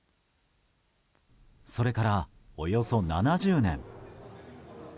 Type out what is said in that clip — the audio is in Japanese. それから、およそ７０年。